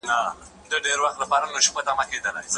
د ټولنې سره مرسته ممکنه ده که هر فرد خپله برخه اخیستل غواړي.